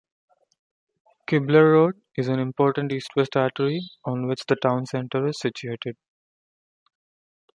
Kibler Road is an important east-west artery on which the town center is situated.